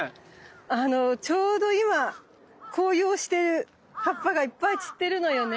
あのちょうど今紅葉して葉っぱがいっぱい散ってるのよね。